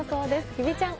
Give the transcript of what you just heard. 日比ちゃん